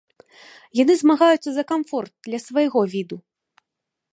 Яны змагаюцца за камфорт для свайго віду.